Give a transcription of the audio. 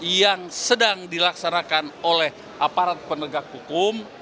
yang sedang dilaksanakan oleh aparat penegak hukum